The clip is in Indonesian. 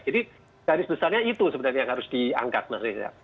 jadi tarif besarnya itu sebenarnya yang harus diangkat mas riza